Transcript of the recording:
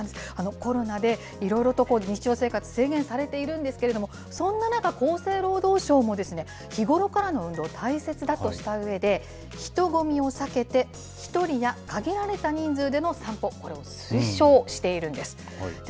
コロナでいろいろと日常生活、制限されているんですけれども、そんな中、厚生労働省も、日頃からの運動、大切だとしたうえで、人混みを避けて、１人や限られた人数での散歩、これを推奨しているんです。